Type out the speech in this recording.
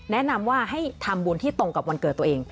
แนะนำว่าให้ทำบุญที่ตรงกับวันเกิดตัวเอง